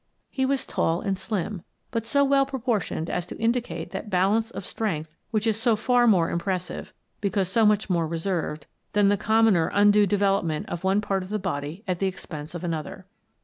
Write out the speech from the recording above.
He was tall and slim, but so well proportioned as to indicate that balance of strength which is so far more impressive — because so much more re served — than the commoner undue development of one part of the body at the expense of another.